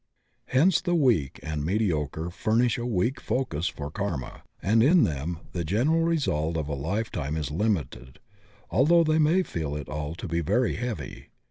Hence the weak and mediocre furnish a weak focus for karma, and in them the general result of a lifetime is limited, although they may feel it all to be very heavy.